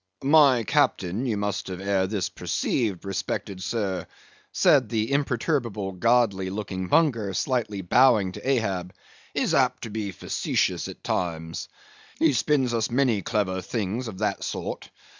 "My captain, you must have ere this perceived, respected sir"—said the imperturbable godly looking Bunger, slightly bowing to Ahab—"is apt to be facetious at times; he spins us many clever things of that sort.